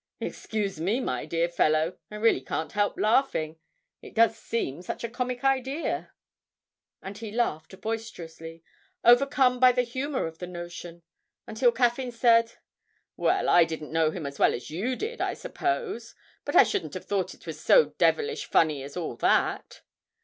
Excuse me, my dear fellow, I really can't help laughing it does seem such a comic idea.' And he laughed boisterously, overcome by the humour of the notion, until Caffyn said: 'Well, I didn't know him as well as you did, I suppose, but I shouldn't have thought it was so devilish funny as all that!'